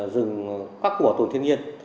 dừng các của tổ thiên nhiên